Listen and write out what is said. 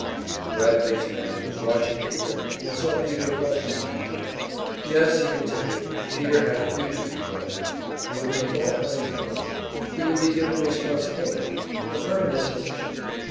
The rat faced man was watching Peter, and saw Peter flush with pleasure. Yes, he continued, Peter had a future before him, he would make all kinds of money, he would be given responsibility, a permanent position.